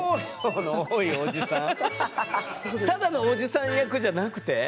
ただのおじさん役じゃなくて？